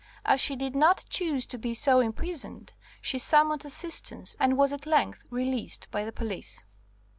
As she did not choose to be so imprisoned, she summoned assistance, and was at length released by the police."